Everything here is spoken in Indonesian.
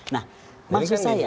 nah maksud saya